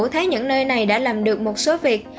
thấy những nơi này đã làm được một số việc